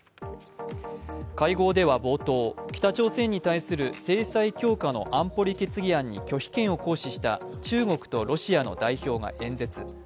会合では冒頭、北朝鮮に対する制裁強化の安保理決議案に拒否権を行使した中国とロシアの代表が演説。